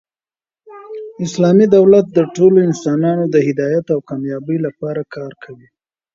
اسلامي دولت د ټولو انسانانو د هدایت او کامبابۍ له پاره کار کوي.